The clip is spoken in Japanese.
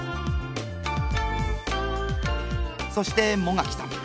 そして茂垣さん。